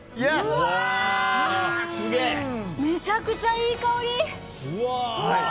めちゃくちゃいい香り！